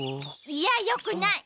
いやよくない。